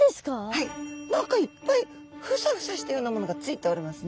はい何かいっぱいフサフサしたようなものがついておりますね。